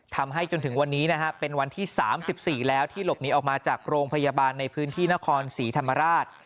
จนถึงวันนี้นะฮะเป็นวันที่๓๔แล้วที่หลบหนีออกมาจากโรงพยาบาลในพื้นที่นครศรีธรรมราช